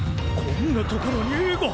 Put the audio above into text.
こんなところにえが。